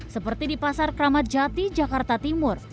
seperti di pasar kramat jati jakarta timur